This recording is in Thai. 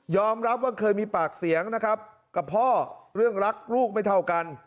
รับว่าเคยมีปากเสียงนะครับกับพ่อเรื่องรักลูกไม่เท่ากัน